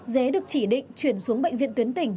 dế được chỉ định chuyển xuống bệnh viện tuyến tỉnh